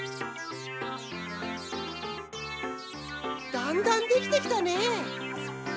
だんだんできてきたね。